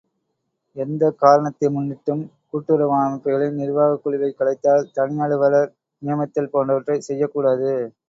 எந்தக் காரணத்தை முன்னிட்டும் கூட்டுறவு அமைப்புகளின் நிர்வாகக் குழுவைக் கலைத்தல் தனி அலுவலர் நியமித்தல் போன்றவற்றைச் செய்யக்கூடாது.